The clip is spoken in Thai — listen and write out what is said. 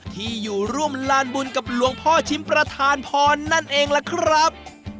ที่อยู่ร่วมลานบุญกับหลวงพ่อชิมประธานพรนั่นเองล่ะครับ